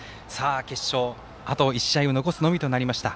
決勝、あと１試合を残すのみとなりました。